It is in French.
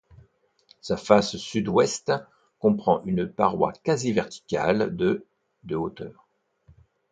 Sa face sud-ouest comprend une paroi quasi-verticale de de hauteur.